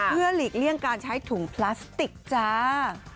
เพื่อหลีกเลี่ยงการใช้ถุงพลาสติกจ้า